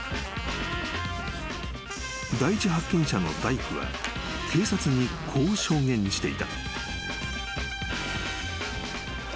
［第一発見者の大工は警察にこう証言していた］